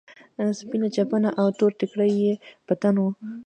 سپينه چپن او تور ټيکری يې په تن و.